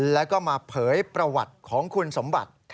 แล้วก็มาเผยประวัติของคุณสมบัติ